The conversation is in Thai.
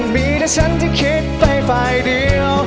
มีแต่ฉันจะคิดไปฝ่ายเดียว